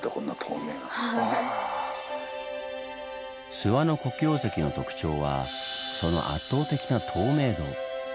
諏訪の黒曜石の特徴はその圧倒的な透明度。